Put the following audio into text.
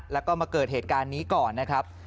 แล้วก็มาเกิดเหตุการณ์นี้ก่อนนะครับ